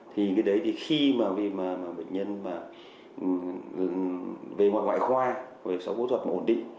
thì cái đấy thì khi mà bệnh nhân về ngoại khoa về số phẫu thuật mà ổn định